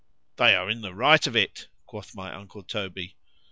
They are in the right of it,——quoth my uncle _Toby.